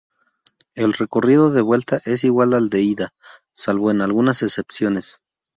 El recorrido de vuelta es igual al de ida, salvo en alguna excepciones.